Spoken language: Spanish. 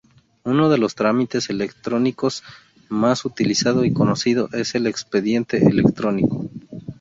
Uno de los trámites electrónicos más utilizado y conocido es el Expediente Electrónico.